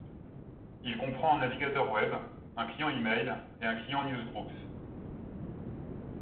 Il comprend un navigateur web, un client e-mail et un client newsgroups.